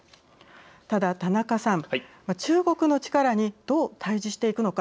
ただ田中さん、中国の力にどう対じしていくのか。